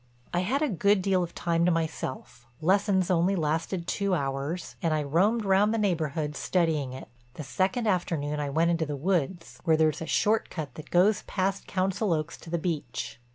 I had a good deal of time to myself—lessons only lasted two hours—and I roamed round the neighborhood studying it. The second afternoon I went into the woods, where there's a short cut that goes past Council Oaks to the beach.